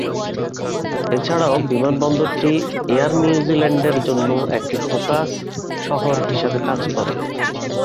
এছাড়াও বিমানবন্দরটি এয়ার নিউজিল্যান্ডের জন্য একটি ফোকাস শহর হিসাবে কাজ করে।